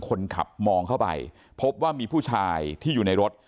คนขับมองเข้าไปพบว่ามีผู้ชายที่อยู่ในรถ